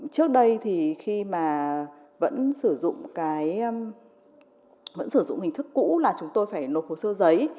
trước đây thì khi mà vẫn sử dụng hình thức cũ là chúng tôi phải nộp hồ sơ giấy